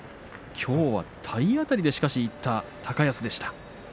きょうは体当たりでいった高安でした。